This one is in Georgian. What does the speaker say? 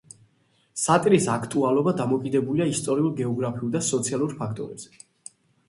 სატირის აქტუალობა დამოკიდებულია ისტორიულ, გეოგრაფიულ და სოციალურ ფაქტორებზე.